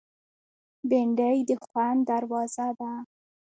بېنډۍ د خوند دروازه ده